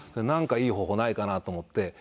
なんかいい方法ないかなと思って。